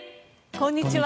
こんにちは。